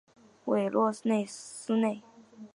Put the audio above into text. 韦洛斯内。